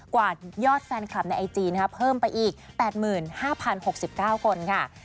วาดยอดแฟนคลับในไอจีเพิ่มไปอีก๘๕๐๖๙คนค่ะ